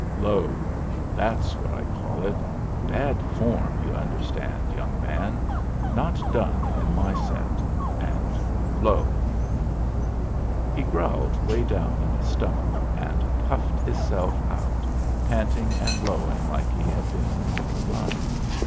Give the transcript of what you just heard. "Low, that's what I call it bad form, you understand, young man, not done in my set and and low." He growled 'way down in his stomach, and puffed hisself out, panting and blowing like he had been on a run.